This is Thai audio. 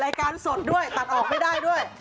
รายการสดด้วยตัดออกไม่ได้ด้วย